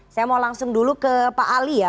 saya mau langsung dulu ke pak ali ya